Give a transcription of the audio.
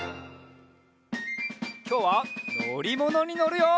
きょうはのりものにのるよ！